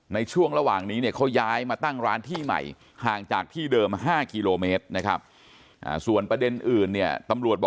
ในช่วงระหว่างนี้เนี่ยเขาย้ายมาตั้งร้านที่ใหม่ห่างจากที่เดิม๕กิโลเมตรนะครับ